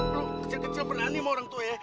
dulu kecil kecil berani sama orang tua ya